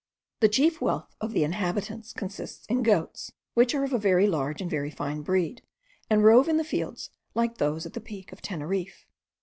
The chief wealth of the inhabitants consists in goats, which are of a very large and very fine breed, and rove in the fields like those at the Peak of Teneriffe.